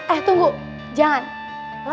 eh tunggu jangan